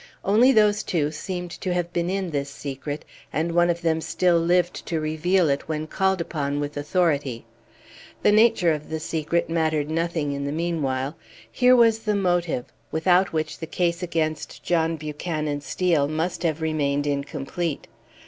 Only those two seemed to have been in this secret, and one of them still lived to reveal it when called upon with authority. The nature of the secret mattered nothing in the meanwhile. Here was the motive, without which the case against John Buchanan Steel must have remained incomplete.